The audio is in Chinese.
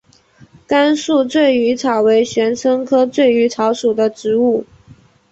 甘肃醉鱼草为玄参科醉鱼草属的植物。